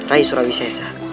rai surawi sesa